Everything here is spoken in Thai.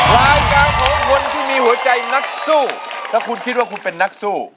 รายการของคนที่มีหัวใจนักสู้ถ้าคุณคิดว่าคุณเป็นนักสู้